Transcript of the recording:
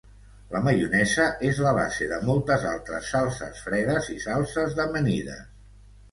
La maionesa és la base de moltes altres salses fredes i salses d'amanides.